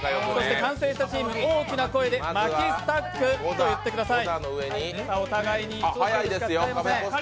完成したチームは、大きな声で、マキスタックと言ってください。